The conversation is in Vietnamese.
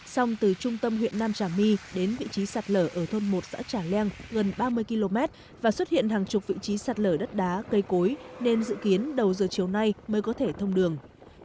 xong từ trung tâm huyện nam trà my đến vị trí sạt lở ở thôn một xã trà leng gần ba mươi km và xuất hiện hàng chục vị trí sạt lở đất đá cây cối nên dự kiến đầu giờ chiều nay mới có thể thông đường